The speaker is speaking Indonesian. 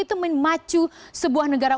itu memacu sebuah negara